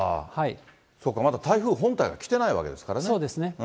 そうか、まだ台風本体が来ていないわけですからね。